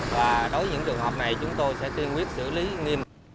và đối với những trường hợp này chúng tôi sẽ kiên quyết xử lý nghiêm